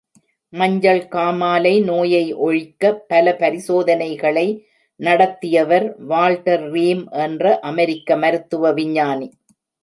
மஞ்சள் காமாலை நோயை ஒழிக்க, பல பரிசோதனைகளை நடத்தியவர் வால்டர் ரீம் என்ற அமெரிக்க மருத்துவ விஞ்ஞானி!